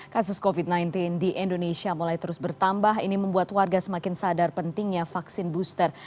kasus covid sembilan belas di indonesia mulai terus bertambah ini membuat warga semakin sadar pentingnya vaksin booster